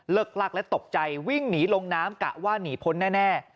ลักและตกใจวิ่งหนีลงน้ำกะว่าหนีพ้นแน่